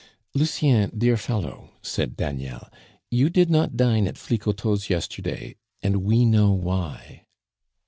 "Lucien, dear fellow," said Daniel, "you did not dine at Flicoteaux's yesterday, and we know why."